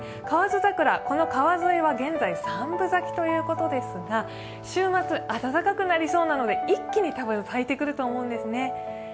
川津桜、この川沿いは現在、三分咲きということですが、週末、暖かくなりそうなので多分一気に咲いてくると思うんですね。